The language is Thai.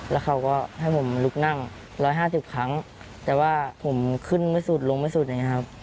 แล้วเขาก็ให้ผมลุกนั่ง๑๕๐ครั้งแต่ว่าผมขึ้นไม่สุดลงไม่สุดอย่างนี้ครับ